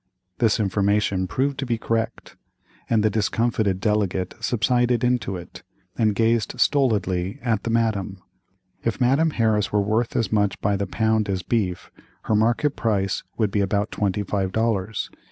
This information proved to be correct, and the discomfited delegate subsided into it, and gazed stolidly at the Madame. If Madame Harris were worth as much by the pound as beef, her market price would be about twenty five dollars.